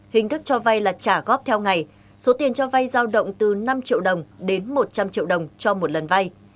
hình thức cho vay là trả góp theo ngày số tiền cho vay giao động từ năm triệu đồng đến một trăm linh triệu đồng cho một lần vay